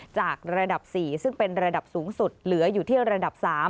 จากระดับ๔ซึ่งเป็นระดับสูงสุดเหลืออยู่ที่ระดับ๓